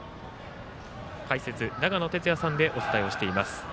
解説、長野哲也さんでお伝えをしています。